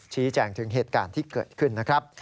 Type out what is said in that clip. ชี้แจงถึงเหตุการณ์ที่เกิดขึ้นนะครับ